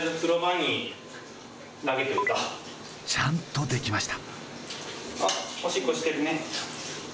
ちゃんとできました！